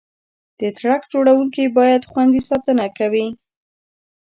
د ټرک چلوونکي د بار خوندي ساتنه کوي.